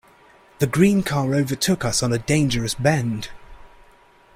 The green car overtook us on a dangerous bend.